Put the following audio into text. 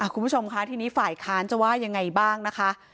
คุณผู้ชมค่ะทีนี้ฝ่ายค้านจะว่ายังไงบ้างนะคะ